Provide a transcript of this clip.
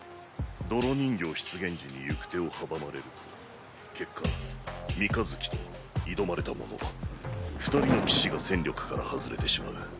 泥人形出現時に行く手を阻まれると結果三日月と挑まれた者二人の騎士が戦力から外れてしまう。